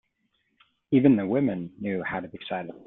Even the women knew how to be silent.